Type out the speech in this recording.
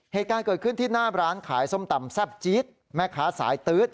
เหตุการณ์เกิดขึ้นที่หน้าร้านขายส้มตำแซ่บจี๊ดแม่ค้าสายตื๊ด